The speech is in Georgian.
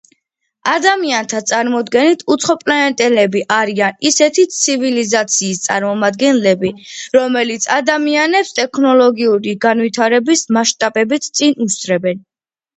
ადამიანთა წარმოდგენით უცხოპლანეტელები არიან ისეთი ცივილიზაციის წარმომადგენლები, რომელიც ადამიანებს ტექნოლოგიური განვითარების მასშტაბებით წინ უსწრებს.